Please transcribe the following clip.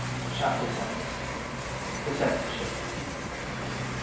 8 CHAPTER VII. The Censorship.